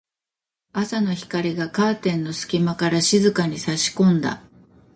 朝の光がカーテンの隙間から静かに差し込んだ。